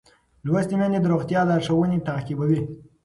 لوستې میندې د روغتیا لارښوونې تعقیبوي.